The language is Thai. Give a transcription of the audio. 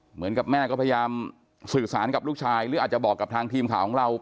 เหมือนกับแม่ก็พยายามสื่อสารกับลูกชายหรืออาจจะบอกกับทางทีมข่าวของเรา